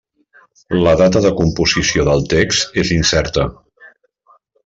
La data de composició del text és incerta.